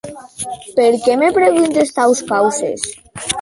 Per qué me preguntes taus causes?